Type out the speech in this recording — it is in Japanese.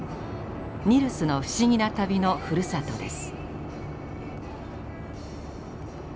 「ニルスのふしぎな旅」のふるさとです。